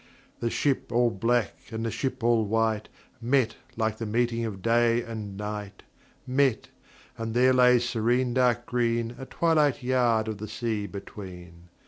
The ship all black and the ship all white Met like the meeting of day and night, Met, and there lay serene dark green A twilight yard of the sea between.